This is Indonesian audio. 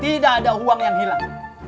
tidak ada uang yang hilang